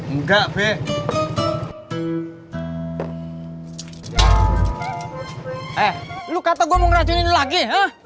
enggak be eh lu kata gua mau racunin lagi